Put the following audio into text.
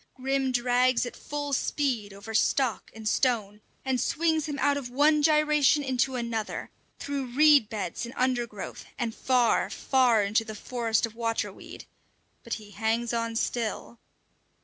Grim drags at full speed over stock and stone, and swings him out of one gyration into another; through reed beds and undergrowth, and far, far into the forest of water weed; but he hangs on still!